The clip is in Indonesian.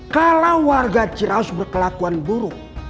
kalau warga ciraus berkelakuan buruk